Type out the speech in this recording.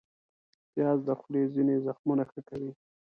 پیاز د خولې ځینې زخمونه ښه کوي